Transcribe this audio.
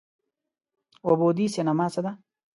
اووه بعدی سینما څه ده؟